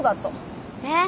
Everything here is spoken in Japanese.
えっ？